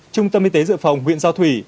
trung tâm y tế dự phòng nguyện giao thủy